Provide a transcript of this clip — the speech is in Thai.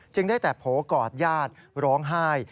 ได้แต่โผล่กอดญาติร้องไห้